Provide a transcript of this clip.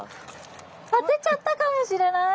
当てちゃったかもしれない？